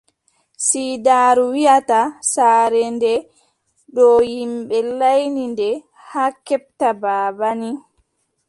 Siidaaru wiʼata, saare ndee ɗoo yimɓe laanyi nde, haa keɓta baaba nii,